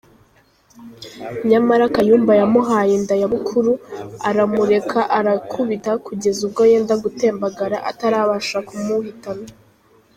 Nyamara Kayumba yamuhaye inda ya bukuru, aramureka arakubita kugeza ubwo yenda gutembagara atarabasha kumuhitana!